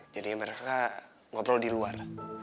jadi mereka ngobrol di luar